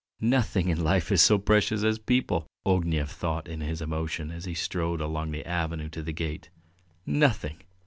"Nothing in life is so precious as people!" Ognev thought in his emotion, as he strode along the avenue to the gate. "Nothing!"